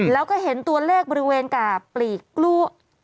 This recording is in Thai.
แล้วก็เห็นตัวเลขบริเวณกับปลีกกลั๊ก